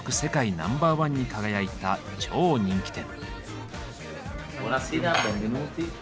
ナンバーワンに輝いた超人気店。